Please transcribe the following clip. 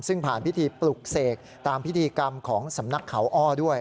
ซึ่งผ่านพิธีปลุกเสกตามพิธีกรรมของสำนักเขาอ้อด้วย